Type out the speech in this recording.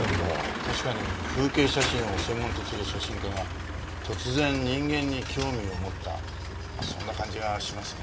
確かに風景写真を専門とする写真家が突然人間に興味を持ったそんな感じがしますね。